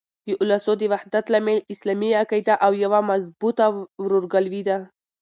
د اولسو د وحدت لامل اسلامي عقیده او یوه مضبوطه ورورګلوي ده.